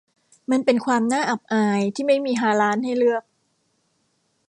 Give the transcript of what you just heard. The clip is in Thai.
มันเป็นความน่าอับอายที่ไม่มีฮาลาลให้เลือก